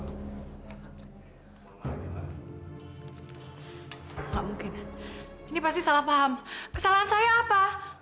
tidak mungkin ini pasti salah paham kesalahan saya apa